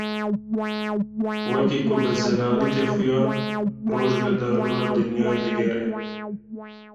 Wekî ku bi zelalî tê xuyan Roj li derdora Dinyayê digere.